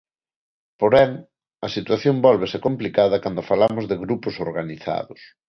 Porén, a situación vólvese complicada cando falamos de grupos organizados.